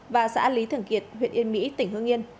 và xã lý thường kiệt huyện yên mỹ tỉnh hương yên